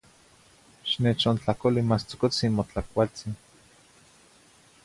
Xinechontlacoli mas tzocotzin motlacualtzin